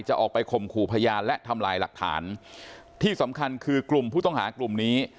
จะออกไปข่มขู่พยานและทำลายหลักฐานที่สำคัญคือกลุ่มผู้ต้องหากลุ่มนี้